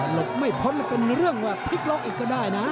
ไม่พ้นมันเป็นเรื่องว่าพลิกล็อกอีกก็ได้นะ